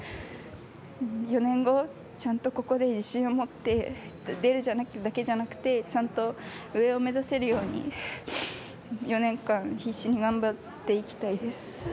４年後ちゃんと、ここで自信を持って出るだけじゃなくてちゃんと上を目指せるように４年間、必死に頑張っていきたいです。